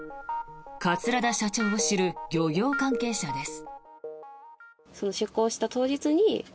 桂田社長を知る漁業関係者です。